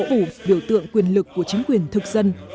ủ biểu tượng quyền lực của chính quyền thực dân